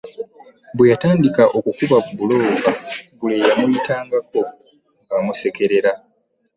Bwe yatandika okukuba bbulooka, buli eyamuyitangako ng'amusekerera